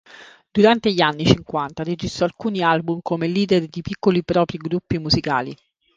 Durante gli anni cinquanta registrò alcuni album come leader di piccoli propri gruppi musicali.